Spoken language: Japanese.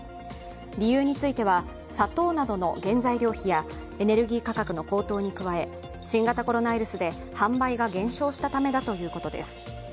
理由については、砂糖などの原材料費やエネルギー価格の高騰に加え、新型コロナウイルスで販売が減少したためだということです。